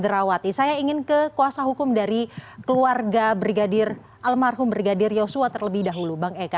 saya ingin ke kuasa hukum dari keluarga brigadir almarhum brigadir yosua terlebih dahulu bang eka